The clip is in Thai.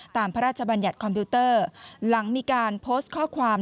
พระราชบัญญัติคอมพิวเตอร์หลังมีการโพสต์ข้อความ